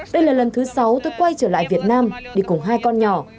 đây là lần thứ sáu tôi quay trở lại việt nam đi cùng hai con nhỏ